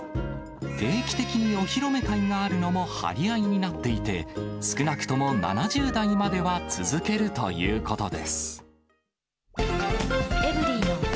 定期的にお披露目会があるのも張り合いになっていて、少なくとも７０代までは続けるということです。